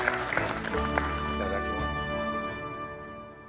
いただきます。